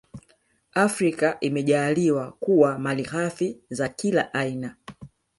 Afrika imejaaliwa kuwa malighafi za kila aina